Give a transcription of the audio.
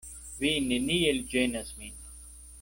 Vi neniel ĝenas min.